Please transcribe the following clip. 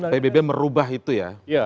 pbb merubah itu ya